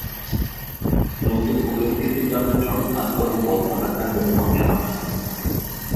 নতুন পরিস্থিতির কারণে সব কাজ কর্ম বন্ধ রাখার কোনো মানে হয় না।